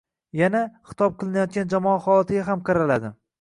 Yana, xitob qilinayotgan jamoa holatiga ham qaraladi.